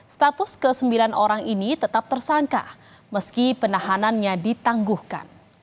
status ke sembilan orang ini tetap tersangka meski penahanannya ditangguhkan